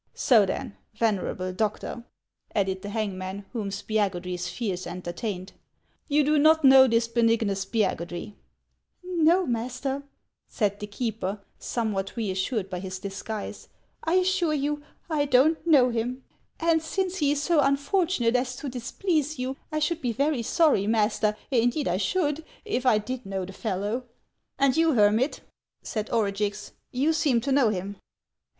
So then, venerable doctor," added the hangman, whom Spiagudry's fears entertained, " you do not know this Benignus Spiagudry ?" "No, master," said the keeper, somewhat reassured by his disguise ;" I assure you I don't know him. And since he is so unfortunate as to displease you, I should be very sorry, master, indeed *I should, if I did know the fellow." " And you, hermit," said Orugix, —" you seem to know him